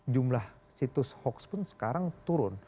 jumlah situs hoax pun sekarang turun